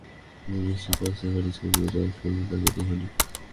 তুমি নিশ্চিত পাশ দিয়ে গাড়ি চালিয়ে যাওয়ার সময় উনাকে দেখোনি?